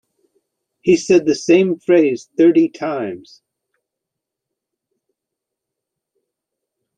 He said the same phrase thirty times.